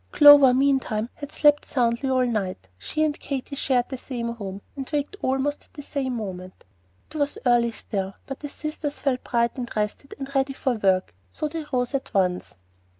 Clover, meantime, had slept soundly all night. She and Katy shared the same room, and waked almost at the same moment. It was early still; but the sisters felt bright and rested and ready for work, so they rose at once.